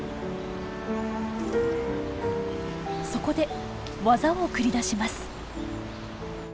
そこで技を繰り出します。